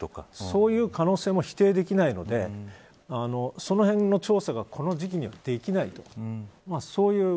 そういった可能性も否定できないのでそのへんの調査がこの時期にできない。